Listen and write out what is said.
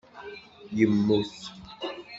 Yemmut